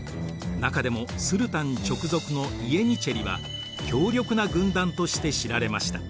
中でもスルタン直属のイエニチェリは強力な軍団として知られました。